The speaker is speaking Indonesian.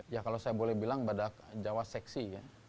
ya kalau saya boleh bilang badak jawa seksi ya